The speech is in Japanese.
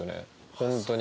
本当に。